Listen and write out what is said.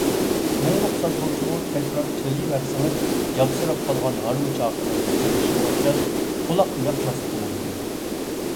مۇڭلۇق ساز بولسىمۇ تەكرار چېلىۋەرسىڭىز، ياغسىراپ قالغان ھارۋا چاقىنىڭ غىچىرلىشىغا ئوخشاش قۇلاققا ياقماسلىقى مۇمكىن.